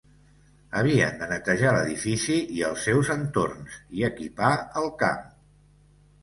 Havien de netejar l'edifici i els seus entorns i equipar el camp.